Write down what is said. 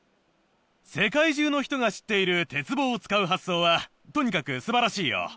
世界中の人が知っている鉄棒を使う発想はとにかく素晴らしいよ。